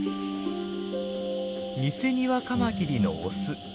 ニセニワカマキリのオス。